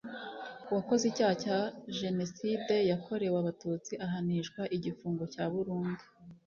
uwakoze icyaha cya jeniside yakorewe abatutsi ahanishwa igifungo cya burundu